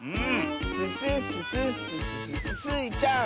ススッススッスススススイちゃん！